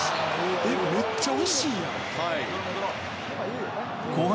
めっちゃ惜しいやん。